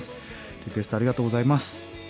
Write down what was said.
リクエストありがとうございます。